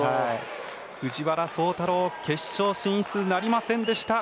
藤原崇太郎決勝進出なりませんでした。